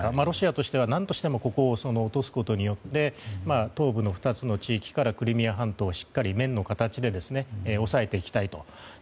ロシアとしては何としてもここを落とすことによって東部の２つの地域からクリミア半島をしっかり面の形で抑えていきたいと。